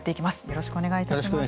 よろしくお願いします。